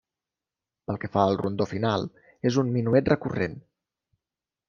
Pel que fa al rondó final, és un minuet recurrent.